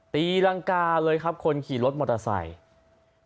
ตีรังกาเลยครับคนขี่รถมอเตอร์ไซค์